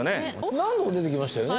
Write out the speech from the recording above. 何度も出てきましたよね